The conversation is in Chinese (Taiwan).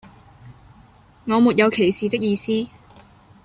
我沒有歧視的意思